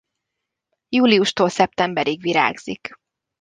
Júliustól szeptemberig virágzik.